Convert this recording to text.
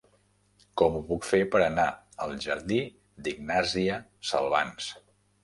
Com ho puc fer per anar al jardí d'Ignàsia Salvans?